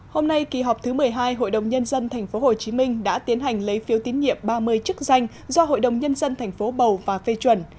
hôm nay kỳ họp thứ một mươi hai hội đồng nhân dân tp hcm đã tiến hành lấy phiếu tín nhiệm ba mươi chức danh do hội đồng nhân dân tp bầu và phê chuẩn